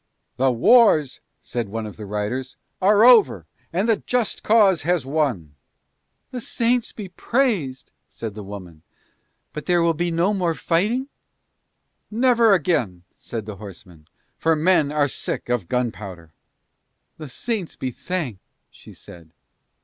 "The wars," said one of the riders, "are over, and the just cause has won." "The Saints be praised!" said the woman. "But will there be no more fighting?" "Never again," said the horseman, "for men are sick of gunpowder." "The Saints be thanked," she said.